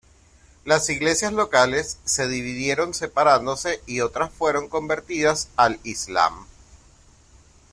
Las Iglesias locales se dividieron separándose y otras fueron convertidas al islam.